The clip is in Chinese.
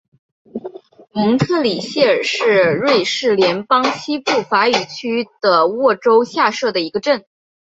蒙特里谢尔是瑞士联邦西部法语区的沃州下设的一个镇。